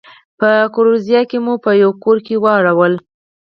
په ګوریزیا کې مو په یوه کور کې واړول.